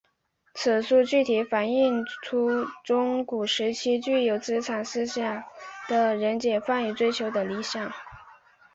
此书具体反映出中古时期具有资产思想的人解放与追求的理念。